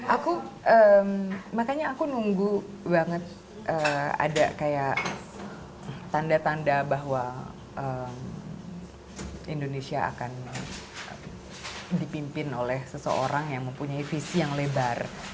aku makanya aku nunggu banget ada kayak tanda tanda bahwa indonesia akan dipimpin oleh seseorang yang mempunyai visi yang lebar